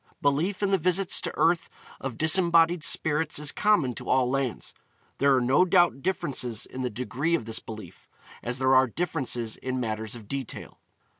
Belief in the visits to earth of disembodied spirits is common to all lands. There are no doubt differences in the degree of this belief, as there are differences in matters of detail.